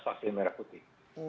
vaksin merah putih